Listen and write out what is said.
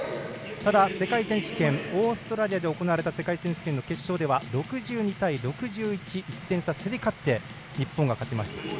ただ、オーストラリアで行われた世界選手権の決勝では６２対６１１点差、競り勝って日本が勝ちました。